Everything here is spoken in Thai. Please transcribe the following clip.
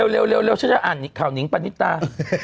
เร็วฉันจะอ่านข่าวนิงปณิตา